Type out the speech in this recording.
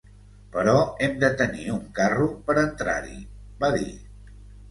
"Però hem de tenir un carro per entrar-hi", va dir.